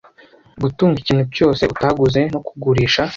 gutunga ikintu cyose utaguze no kugurisha